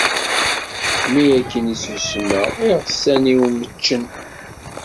Mi akken i ssusmeɣ, iɣsan-iw meččen.